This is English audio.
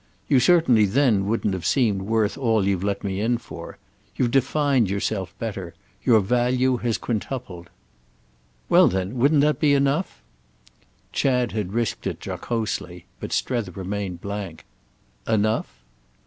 "You certainly then wouldn't have seemed worth all you've let me in for. You've defined yourself better. Your value has quintupled." "Well then, wouldn't that be enough—?" Chad had risked it jocosely, but Strether remained blank. "Enough?"